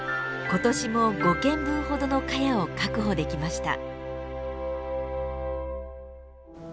今年も５軒分ほどのカヤを確保できました。